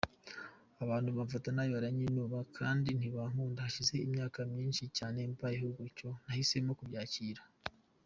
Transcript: "Abantu bamfata nabi, baranyinuba kandi ntibankunda, hashize imyaka myinshi cyane, mbayeho gutyo, nahisemo kubyakira.